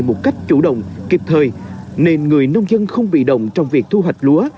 một cách chủ động kịp thời nên người nông dân không bị động trong việc thu hoạch lúa